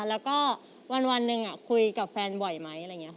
แล้วก็วันนึงคุยกับแฟนบ่อยไหม